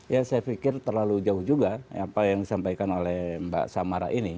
ya saya pikir terlalu jauh juga apa yang disampaikan oleh mbak samara ini